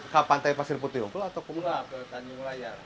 itu untuk pantai pasir putih atau tanjung layar